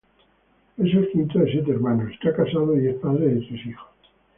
Es el quinto de siete hermanos, está casado y es padre de tres hijos.